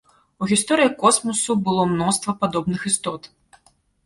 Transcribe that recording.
У гісторыі космасу было мноства падобных істот.